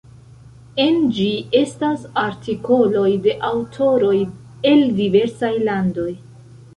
En ĝi estas artikoloj de aŭtoroj el diversaj landoj.